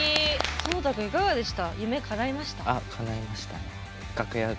蒼太くんいかがでした？